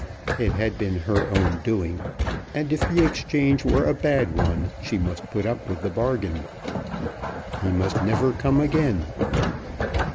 It had been her own doing, and if the exchange were a bad one, she must put up with the bargain. He must never come again.